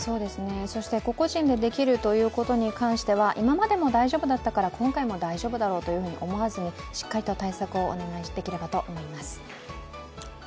そして個々人でできるということに関しては、今までも大丈夫だったから、今回も大丈夫だろうと思わずにしっかりと対策をお願いできればと思います。